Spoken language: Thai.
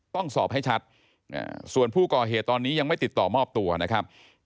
ต้องสอบให้ชัดส่วนผู้ก่อเหตุตอนนี้ยังไม่ติดต่อมอบตัวนะครับ